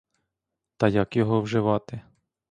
Та як його вживати.